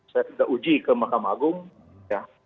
saya sudah uji ke mahkamah agung ya